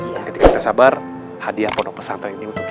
dan ketika kita sabar hadiah ponok pesantren ini untuk kita